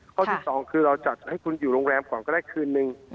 ข้อที่สองคือเราจัดให้คุณอยู่โรงแรมก่อนก็ได้คืนนึง